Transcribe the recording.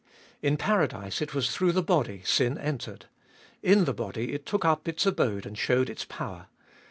In paradise it was through the body sin entered ; in the body it took up its abode and showed its power.